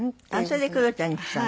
それで工藤ちゃんにしたの？